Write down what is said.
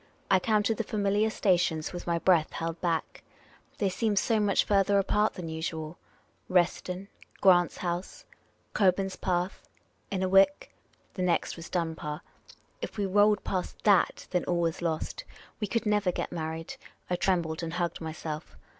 I counted the familiar stations with my breath held back. They seemed so much farther apart than usual. Reston — Grant's House — Cock burn.spath — Innerwick. The next was Dunbar. If we rolled past f/ia^, then all was lost. We could never get married. I trembled and hugged myself.